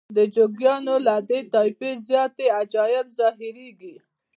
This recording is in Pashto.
د جوګیانو له دې طایفې زیاتې عجایب ظاهریږي.